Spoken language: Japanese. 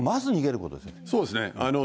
そうですね。